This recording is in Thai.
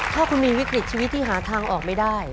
ถ้าคุณมีวิกฤตชีวิตที่หาทางออกไม่ได้